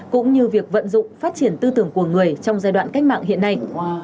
cũng như việc vận dụng phát triển tư tưởng của người trong giai đoạn cách mạng hiện nay